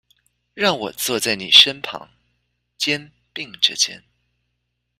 讓我坐在妳身旁，肩並著肩